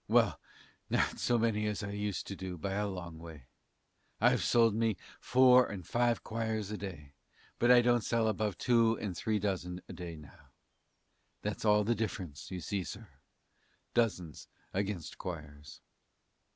Well, not so many as I used to do, by a long way. I've sold me four and five quires a day, but I don't sell above two and three dozen a day now. That's all the difference you see, sir dozens against quires.